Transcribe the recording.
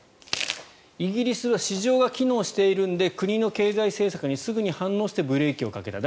イギリスは市場が機能しているので国の経済政策にすぐに反応してブレーキをかけられる。